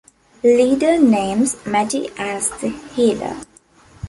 Leader names Matty as "the Healer".